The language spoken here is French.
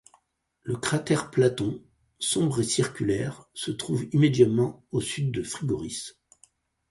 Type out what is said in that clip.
Le cratère Platon, sombre et circulaire, se trouve immédiatement au sud de Frigoris.